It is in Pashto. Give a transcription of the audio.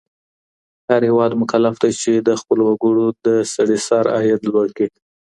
هر هیواد مکلف دی چي د خپلو وګړو د سړي سر عاید لوړ کړي.